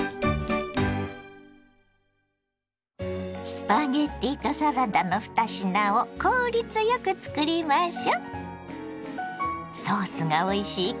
スパゲッティとサラダの２品を効率よくつくりましょ。